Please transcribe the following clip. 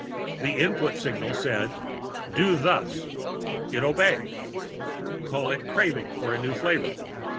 The input signal said: Do thus. It obeyed. Call it craving for a new flavor.